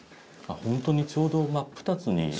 本当にちょうど真っ二つに。